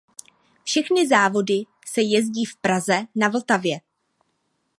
Všechny závody se jezdí v Praze na Vltavě.